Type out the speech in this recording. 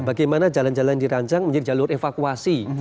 bagaimana jalan jalan dirancang menjadi jalur evakuasi